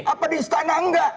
apa di istana enggak